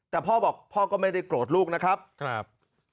แต่พ่อบอกพ่อก็ไม่ได้โกรธลูกนะครับ